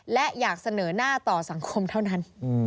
และอยากเสนอหน้าต่อสังคมเท่านั้น